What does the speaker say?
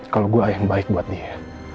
kalau gue ada yang baik buat dia